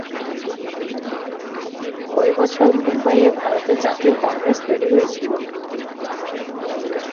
ওই বছর মুম্বইয়ে ভারতের জাতীয় কংগ্রেস তৈরি হয়েছিল।